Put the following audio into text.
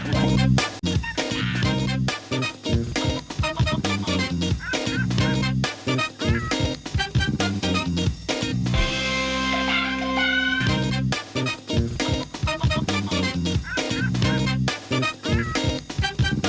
โปรดติดตามตอนต่อไป